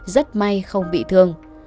rất may không bị thương